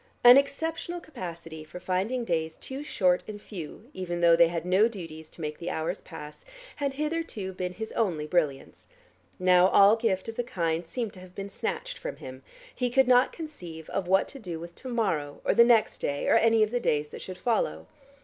An exceptional capacity for finding days too short and few, even though they had no duties to make the hours pass, had hitherto been his only brilliance; now all gift of the kind seemed to have been snatched from him: he could not conceive what to do with to morrow or the next day or any of the days that should follow.